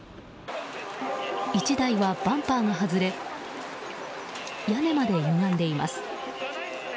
１台は、バンパーが外れ屋根までゆがんでいます。